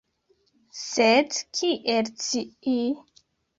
Sed kiel scii?